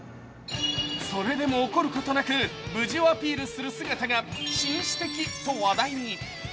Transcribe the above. それでも怒ることなく、無事をアピールする姿が紳士的と話題に。